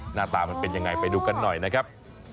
หน้าตามันเป็นยังไงไปดูกันหน่อยนะครับ